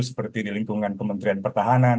seperti di lingkungan kementerian pertahanan